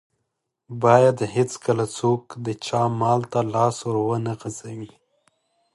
بايد هيڅکله څوک د چا مال ته لاس ور و نه غزوي.